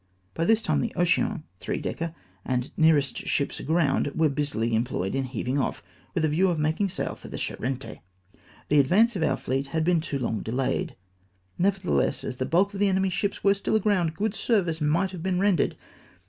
By tliis time the Ocean, three decker, and nearest sliips aground were busily em ployed in heaving off, with a view of making sail for the Charente !! The advance of oiu" fleet had been too long delayed ; nevertheless, as the bulk of the enemy's ships were sthl aground, good service might have been rendered.